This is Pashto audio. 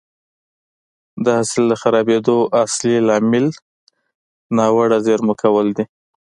د حاصل د خرابېدو اصلي لامل ناوړه زېرمه کول دي